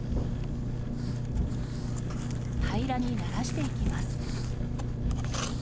平らにならしていきます。